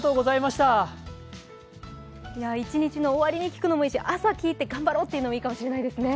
一日の終わりに聴くのもいいし、朝聴いて頑張ろうっていうのもいいかもしれないですね。